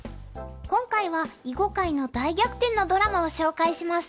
今回は囲碁界の大逆転のドラマを紹介します。